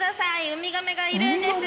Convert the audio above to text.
ウミガメがいるんです。